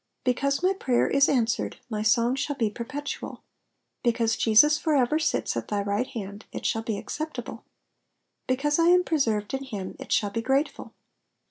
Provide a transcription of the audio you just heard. "*' Because my prayer is answered, my song shall be perpetual ; because Jesus for ever sits at thy right hand, it shall be acceptable ; because I am preserved in him, it shall be grateful.